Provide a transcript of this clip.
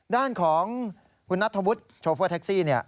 ด้านของคุณนัทธวุฒิโชเฟอร์แท็กซี่